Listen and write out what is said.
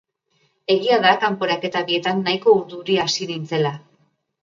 Egia da kanporaketa bietan nahiko urduri hasi nintzela.